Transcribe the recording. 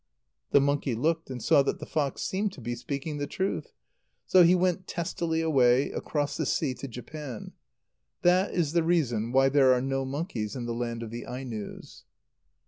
The monkey looked, and saw that the fox seemed to be speaking the truth. So he went testily away, across the sea to Japan. That is the reason why there are no monkeys in the land of the Ainos.